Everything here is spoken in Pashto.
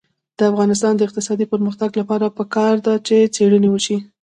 د افغانستان د اقتصادي پرمختګ لپاره پکار ده چې څېړنې وشي.